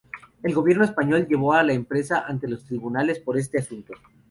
El gobierno español llevó a la empresa ante los tribunales por este asunto.